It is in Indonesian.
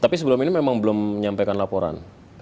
tapi sebelum ini memang belum menyampaikan laporan